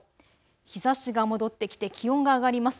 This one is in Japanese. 日ざしが戻ってきて気温が上がります。